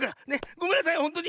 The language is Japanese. ごめんなさいほんとに。